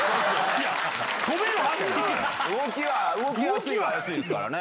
動きやすいですからね。